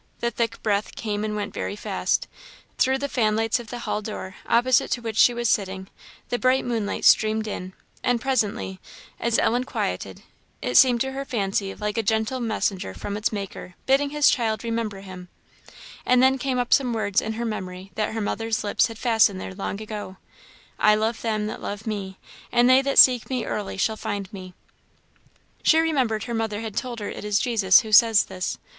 The thick breath came and went very fast. Through the fanlights of the hall door, opposite to which she was sitting, the bright moonlight streamed in; and presently, as Ellen quieted, it seemed to her fancy, like a gentle messenger from its Maker bidding his child remember Him; and then came up some words in her memory that her mother's lips had fastened there long ago "I love them that love me, and they that seek me early shall find me." She remembered her mother had told her it is Jesus who says this.